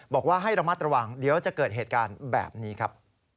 บอกว่าให้ระมัดระวังเดี๋ยวจะเกิดเหตุการณ์แบบนี้ครับ